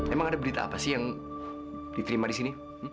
emang ada berita apa sih yang diterima disini